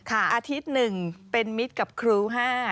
อาทิตย์๑เป็นมิตรกับครู๕